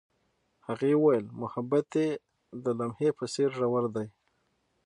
هغې وویل محبت یې د لمحه په څېر ژور دی.